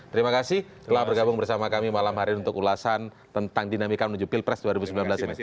terima kasih telah bergabung bersama kami malam hari ini untuk ulasan tentang dinamika menuju pilpres dua ribu sembilan belas ini